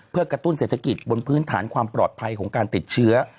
เพื่อกระตุ้นเศรษฐกิจบนพื้นฐานความปลอดภัยของการติดเชื้อ